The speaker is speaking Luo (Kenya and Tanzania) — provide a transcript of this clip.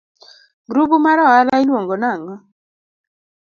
Grubu mar oala iluongo nang'o?